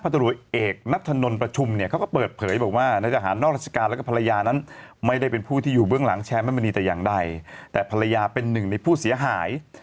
แต่อย่างใดแต่ภรรยาเป็นหนึ่งในผู้เสียหาย